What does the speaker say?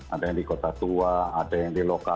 ada yang di kota tua ada yang di lokal